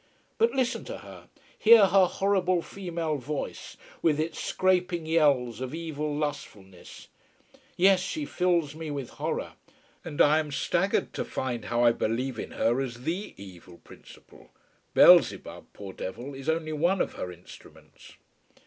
But listen to her. Hear her horrible female voice with its scraping yells of evil lustfulness. Yes, she fills me with horror. And I am staggered to find how I believe in her as the evil principle. Beelzebub, poor devil, is only one of her instruments.